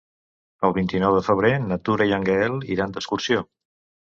El vint-i-nou de febrer na Tura i en Gaël iran d'excursió.